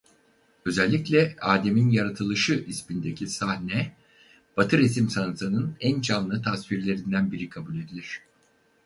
Özellikle "Adem'in Yaratılışı" ismindeki sahne batı resim sanatının en canlı tasvirlerinden biri kabul edilir.